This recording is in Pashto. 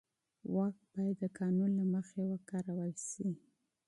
واک باید د قانون له مخې وکارول شي.